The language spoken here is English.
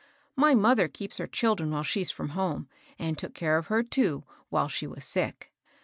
My mother keeps her children while she's from h(»ne, and took care of her, too, while she was sick.